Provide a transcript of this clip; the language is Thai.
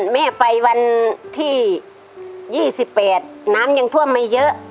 แม่ไปวันที่๒๘น้ำยังท่วมไม่เยอะ